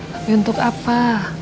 tapi untuk apa